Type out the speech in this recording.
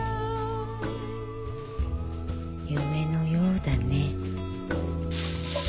夢のようだね。